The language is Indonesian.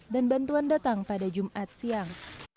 dan bantuan datang pada jumat siang